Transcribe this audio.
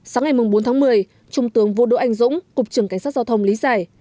sáng ngày bốn tháng một mươi trung tướng vô đỗ anh dũng cục trưởng cảnh sát giao thông lý giải